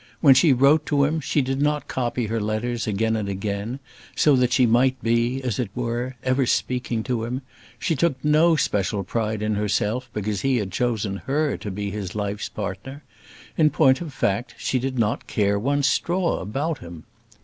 When she wrote to him, she did not copy her letters again and again, so that she might be, as it were, ever speaking to him; she took no special pride in herself because he had chosen her to be his life's partner. In point of fact, she did not care one straw about him.